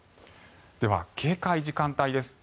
では、警戒時間帯です。